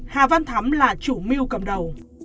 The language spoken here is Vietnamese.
hà văn thắm là chủ mưu cầm đầu